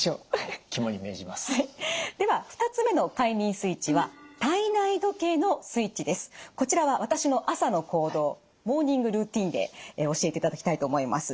では２つ目の快眠スイッチはこちらは私の朝の行動モーニングルーティンで教えていただきたいと思います。